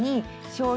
しょう油。